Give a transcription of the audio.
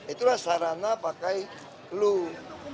itulah sarana pakai clue